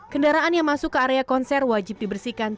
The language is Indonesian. kendaraan yang masuk ke area konser wajib dibersihkan